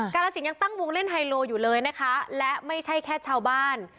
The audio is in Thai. กาลสินยังตั้งวงเล่นไฮโลอยู่เลยนะคะและไม่ใช่แค่ชาวบ้าน